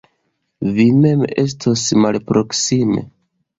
Vi mem estos malproksime.